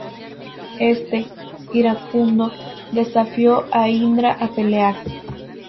Este, iracundo, desafió a Indra a pelear.